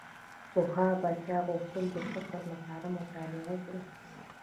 پخوا به چا غوښتل د فقر مسأله مطالعه کړي.